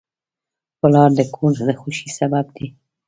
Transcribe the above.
پلار د کور د خوښۍ سبب دی.